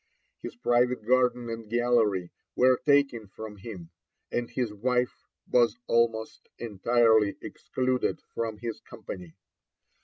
His private garden and gallery were taken from him, and his wife was almost entirely excluded from his company.